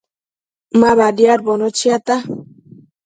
Ma badiadbono chiata